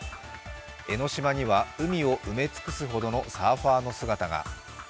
江の島には海を埋め尽くすほどのサーファーの姿が。